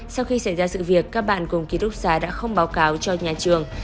sau khi xảy ra sự việc các bạn cùng ký túc xá đã không báo cáo cho nhà trường